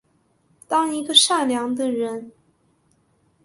当一个善良的人